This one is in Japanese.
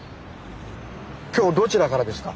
今日はどちらからですか？